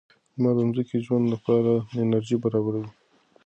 لمر د ځمکې د ژوند لپاره انرژي برابروي.